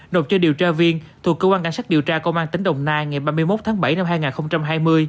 nộp cho điều tra viên thuộc cơ quan cảnh sát điều tra công an tỉnh đồng nai ngày ba mươi một tháng bảy năm hai nghìn hai mươi